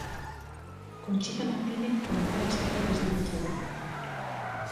Conchita Martínez comenzó a destacar desde muy joven.